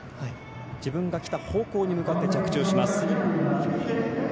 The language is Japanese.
自分が来た方向に向かって着地をします。